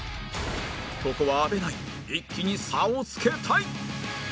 ここは阿部ナイン一気に差をつけたい！